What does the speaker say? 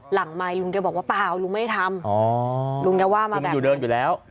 ไมค์ลุงแกบอกว่าเปล่าลุงไม่ได้ทำอ๋อลุงแกว่ามาอยู่เดินอยู่แล้ว